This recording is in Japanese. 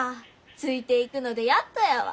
ついていくのでやっとやわ。